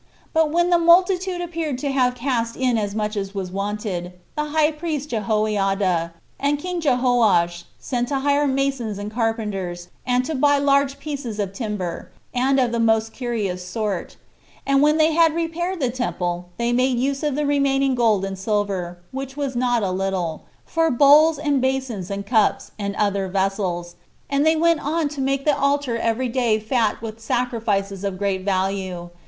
But when the multitude appeared to have cast in as much as was wanted, the high priest Jehoiada, and king Joash, sent to hire masons and carpenters, and to buy large pieces of timber, and of the most curious sort; and when they had repaired the temple, they made use of the remaining gold and silver, which was not a little, for bowls, and basons, and cups, and other vessels, and they went on to make the altar every day fat with sacrifices of great value.